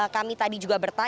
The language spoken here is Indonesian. kami tadi juga bertanya